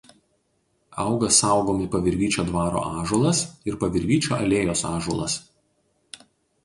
Auga saugomi Pavirvyčio dvaro ąžuolas ir Pavirvyčio alėjos ąžuolas.